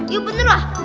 iya bener lah